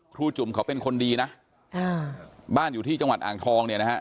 จุ่มเขาเป็นคนดีนะบ้านอยู่ที่จังหวัดอ่างทองเนี่ยนะฮะ